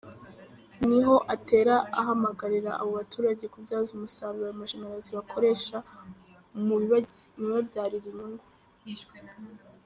Niho atera ahamagarira abo baturage kubyaza umusaruro ayo mashanyarazi bayakoresha mu bibabyarira inyungu.